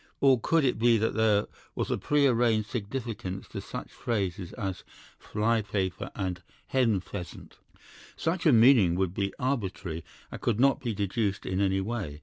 Or could it be that there was a prearranged significance to such phrases as 'fly paper' and 'hen pheasant'? Such a meaning would be arbitrary and could not be deduced in any way.